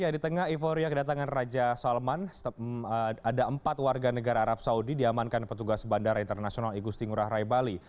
di tengah euforia kedatangan raja salman ada empat warga negara arab saudi diamankan petugas bandara internasional igusti ngurah rai bali